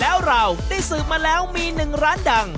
แล้วเราได้สืบมาแล้วมีหนึ่งร้านดัง